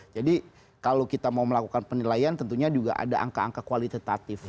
jadi kalau kita mau melakukan penilaian tentunya juga ada angka angka kualitatif